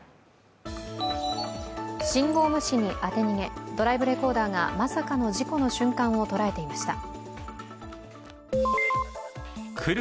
信号無視に当て逃げドライブレコーダーがまさかの事故の瞬間を捉えていました。